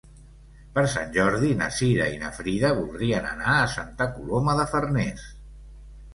Per Sant Jordi na Cira i na Frida voldrien anar a Santa Coloma de Farners.